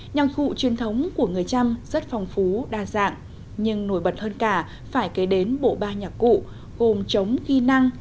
nhạc cụ truyền thống của người chăm rất phong phú đa dạng nhưng nổi bật hơn cả phải kế đến bộ ba nhạc cụ gồm chống ghi năng